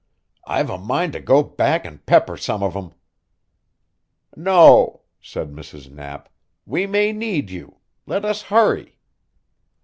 "I've a mind to go back and pepper some of 'em." "No," said Mrs. Knapp, "we may need you. Let us hurry!"